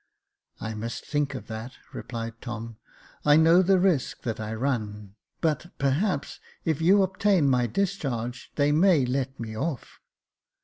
" I must think of that," replied Tom ;" I know the risk that I run ; but, perhaps, if you obtain my discharge, they may let me off."